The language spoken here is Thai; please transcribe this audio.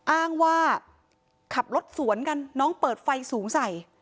อ้างว่าขับรถสวนกันน้องเปิดไฟสูงใส่